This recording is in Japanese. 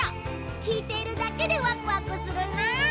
聴いているだけでワクワクするな！